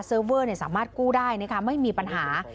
เวอร์สามารถกู้ได้ไม่มีปัญหา